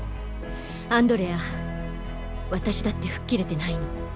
アンドレア私だって吹っ切れてないの。